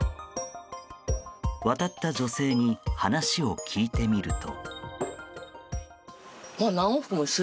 渡った女性に話を聞いてみると。